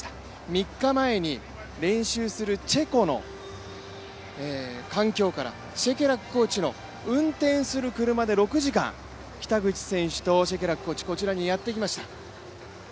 ３日前に、練習するチェコの環境からシェケラックコーチの運転する車で６時間北口選手とシェケラックコーチ、こちらにやってきました。